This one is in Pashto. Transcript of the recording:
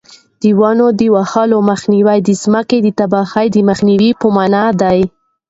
د ونو د وهلو مخنیوی د ځمکې د تباهۍ د مخنیوي په مانا دی.